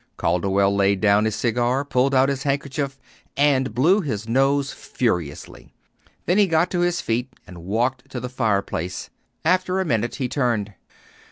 Calderwell laid down his cigar, pulled out his handkerchief, and blew his nose furiously. Then he got to his feet and walked to the fireplace. After a minute he turned.